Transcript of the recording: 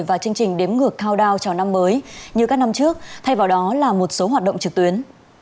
và chương trình đếm ngược cao đao chào năm mới như các năm trước thay vào đó là một số hoạt động trực tuyến